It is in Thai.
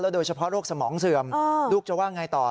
โดยเฉพาะโรคสมองเสื่อมลูกจะว่าไงต่อ